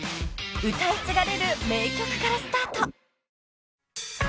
［歌い継がれる名曲からスタート］